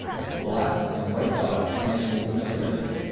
a black and white dog playing in the snow together